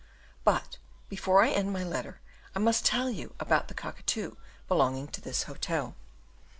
But before I end my letter I must tell you about the cockatoo belonging to this hotel.